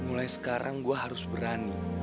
mulai sekarang gue harus berani